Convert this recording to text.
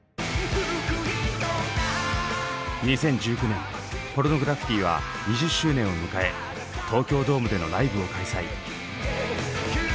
２０１９年ポルノグラフィティは２０周年を迎え東京ドームでのライブを開催。